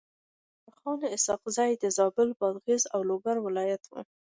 محمد انورخان اسحق زی د زابل، بادغيس او لوګر والي و.